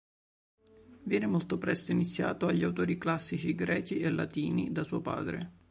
Viene molto presto iniziato agli autori classici greci e latini da suo padre.